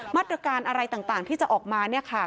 หมันประการอะไรต่างที่จะออกมานี่ค่ะ